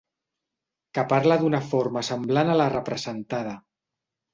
Que parla d'una forma semblant a la representada.